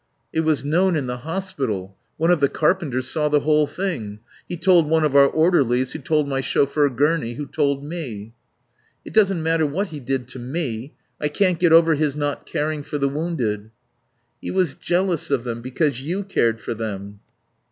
"It was known in the hospital. One of the carpenters saw the whole thing. He told one of our orderlies who told my chauffeur Gurney who told me." "It doesn't matter what he did to me. I can't get over his not caring for the wounded." "He was jealous of them, because you cared for them."